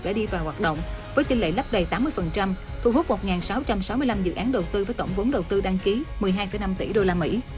đã đi vào hoạt động với chênh lệ lắp đầy tám mươi thu hút một sáu trăm sáu mươi năm dự án đầu tư với tổng vốn đầu tư đăng ký một mươi hai năm tỷ usd